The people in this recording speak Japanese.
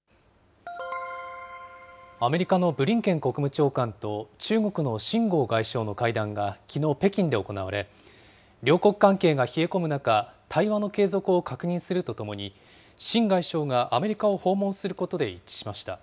アメリカのブリンケン国務長官と中国の秦剛外相の会談が、きのう北京で行われ、両国関係が冷え込む中、対話の継続を確認するとともに、秦外相がアメリカを訪問することで一致しました。